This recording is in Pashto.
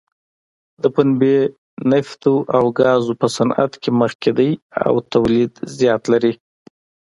د پنبې، نفتو او ګازو په صنعت کې مخکې دی او تولید زیات لري.